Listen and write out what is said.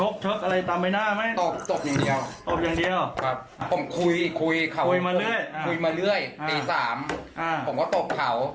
คุยมาเรื่อยตี๓ผมก็ตกเข่า